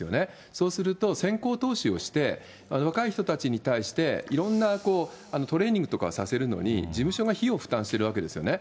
そうすると先行投資をして、若い人たちに対して、いろんなこう、トレーニングとかをさせるのに、事務所が費用を負担しているわけですよね。